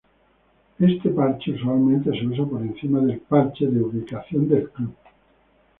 Este parche usualmente se usa por encima del parche de "ubicación del club".